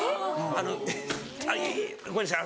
あのごめんなさい